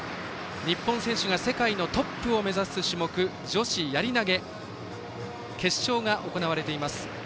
日本選手が世界のトップを目指す種目女子やり投げ決勝が行われています。